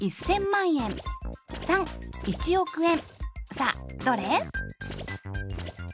さあどれ？